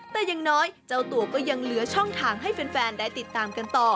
แต่อย่างน้อยเจ้าตัวก็ยังเหลือช่องทางให้แฟนได้ติดตามกันต่อ